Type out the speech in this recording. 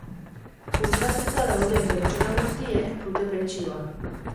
Jubilatuta dauden pertsona guztiek dute pentsioa.